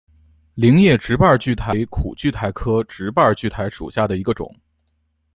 菱叶直瓣苣苔为苦苣苔科直瓣苣苔属下的一个种。